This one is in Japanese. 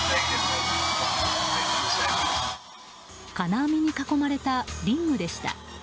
金網に囲まれたリングでした。